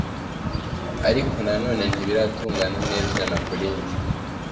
Ariko na none ntibiratungana neza ijana ku rindi